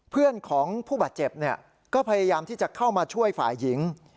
เพื่อนของผู้บาดเจ็บก็พยายามที่จะเข้ามาช่วยฝ่ายหญิง